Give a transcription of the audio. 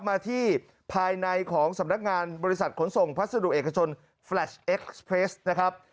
มาที่ภายในของสำนักงานบริษัทขนส่งพัสดุเอกชนแฟลชเอ็กซ์เพลสนะครับ